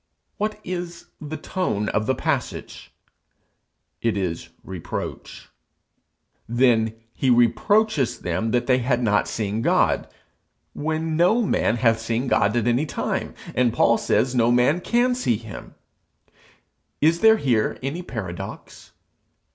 What is the tone of the passage? It is reproach. Then he reproaches them that they had not seen God, when no man hath seen God at any time, and Paul says no man can see him! Is there here any paradox?